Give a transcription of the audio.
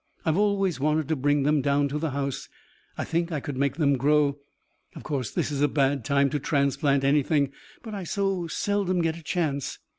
I've always wanted to bring them down to the house. I think I could make them grow. Of course, this is a bad time to transplant anything but I so seldom get a chance.